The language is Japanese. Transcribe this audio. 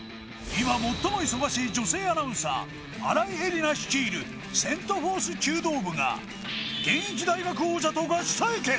今最も忙しい女性アナウンサー新井恵理那率いるセント・フォース弓道部が現役大学王者とガチ対決！